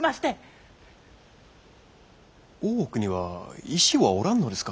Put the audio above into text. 大奥には医師はおらんのですか？